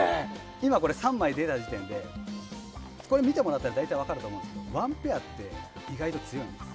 今３枚出た時点で見たら分かると思うんですがワンペアって意外と強いんです。